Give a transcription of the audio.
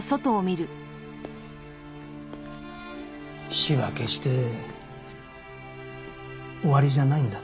死は決して終わりじゃないんだって。